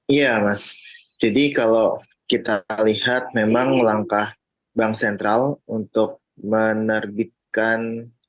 iya mas jadi kalau kita lihat memang langkah bank sentral untuk menerbitkan